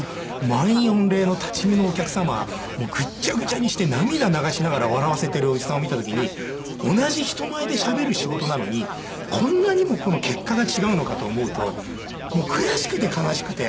満員御礼の立ち見のお客様ぐっちゃぐちゃにして涙流しながら笑わせているおじさんを見た時に同じ人前でしゃべる仕事なのにこんなにも結果が違うのかと思うともう悔しくて悲しくて。